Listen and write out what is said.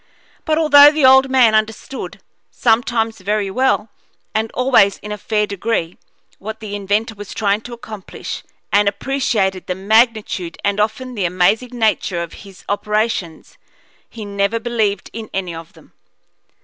But although the old man understood, sometimes very well, and always in a fair degree, what the inventor was trying to accomplish, and appreciated the magnitude and often the amazing nature of his operations, he never believed in any of them.